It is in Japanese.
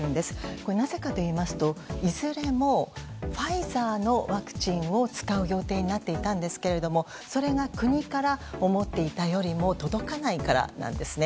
これ、なぜかといいますといずれもファイザーのワクチンを使う予定になっていたんですがそれが国から思っていたよりも届かないからなんですね。